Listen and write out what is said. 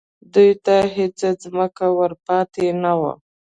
دوی ته هېڅ ځمکه ور پاتې نه وه